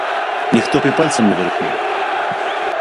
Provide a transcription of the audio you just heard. Ніхто б і пальцам не варухнуў?